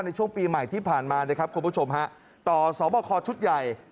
ในช่วงปีใหม่ที่ผ่านมานะครับคุณผู้ชมฮะต่อสอบคอชุดใหญ่